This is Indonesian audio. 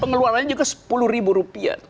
pengeluarannya juga sepuluh rupiah